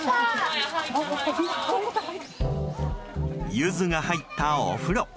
ユズが入ったお風呂。